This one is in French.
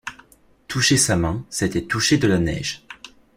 Toucher sa main, c’était toucher de la neige.